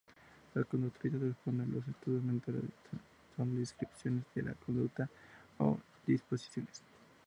Los conductistas responden: los estados mentales son descripciones de la conducta o disposiciones.